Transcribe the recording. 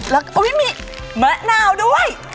แล้วก็อุ๊ยมีแม่นาวด้วย